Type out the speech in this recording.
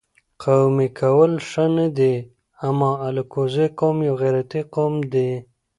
قومي کول ښه نه دي اما الکوزی قوم یو غیرتي قوم دي